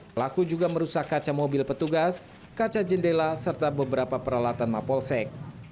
pelaku juga merusak kaca mobil petugas kaca jendela serta beberapa peralatan mapolsek